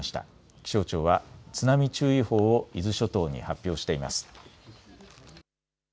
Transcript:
気象庁は津波注意報を伊豆諸島に発表しています。